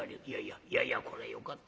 いやいやこれよかった。